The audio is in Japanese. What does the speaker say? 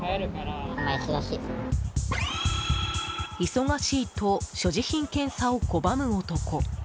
忙しいと所持品検査を拒む男。